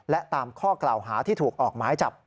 และตามข้อกล่าวหาที่ถูกออกหมายจับ